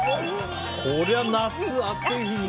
こりゃ夏暑い日に。